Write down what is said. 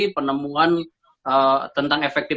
penemuan tentang efektif